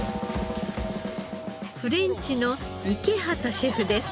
フレンチの池端シェフです。